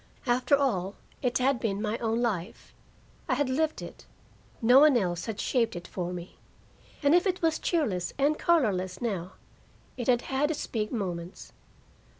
After all, it had been my own life; I had lived it; no one else had shaped it for me. And if it was cheerless and colorless now, it had had its big moments.